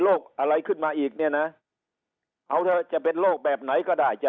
อะไรขึ้นมาอีกเนี่ยนะเอาเถอะจะเป็นโรคแบบไหนก็ได้จะ